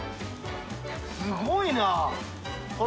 すごいな！